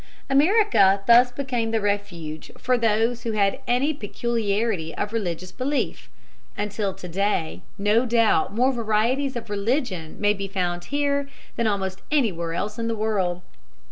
America thus became the refuge for those who had any peculiarity of religious belief, until to day no doubt more varieties of religion may be found here than almost anywhere else in the world.